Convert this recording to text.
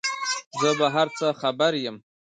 زه په هر څه خبر یم ،